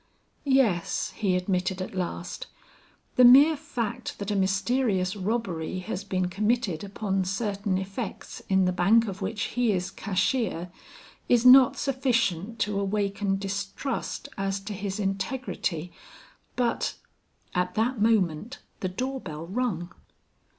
"Yes," he admitted at last; "the mere fact that a mysterious robbery has been committed upon certain effects in the bank of which he is cashier, is not sufficient to awaken distrust as to his integrity, but " At that moment the door bell rung.